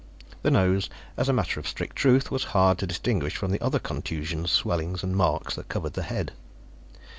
The nose, as a matter of strict truth, was hard to distinguish from the other contusions, swellings and marks that covered the head.